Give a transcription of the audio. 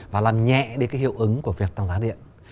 và làm nhẹ đến cái hiệu ứng của việc tăng giá điện